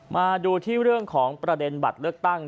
มาดูที่เรื่องของประเด็นบัตรเลือกตั้ง